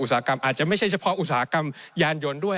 สาหกรรมอาจจะไม่ใช่เฉพาะอุตสาหกรรมยานยนต์ด้วย